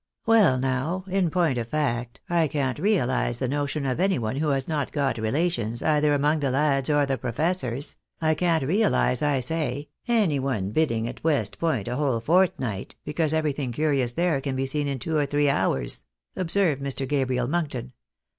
" Well now, in point of fact, I can't realise the notion of any one who has not got relations, either among the lads or the professors, — I can't reahse, I say, any one biding at West Point a whole fortnight, because everything curious there can be seen in two or three hours," observed Mr. Gabriel Monkton.